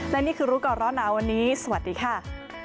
และนี่คือรู้ก่อนร้อนหนาวันนี้สวัสดีค่ะ